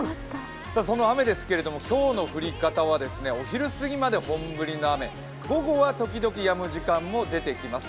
その雨ですけれども、今日の降り方はお昼すぎまで本降りの雨、午後は時々やむ時間も出てきます。